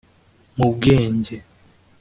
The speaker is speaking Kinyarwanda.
mu bwenge